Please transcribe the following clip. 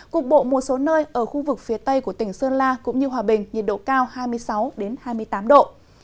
cục bộ một số nơi ở khu vực phía tây của tỉnh sơn la cũng như hòa bình nhiệt độ cao hai mươi sáu hai mươi tám độ